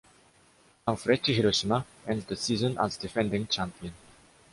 Sanfrecce Hiroshima ends the season as defending champion.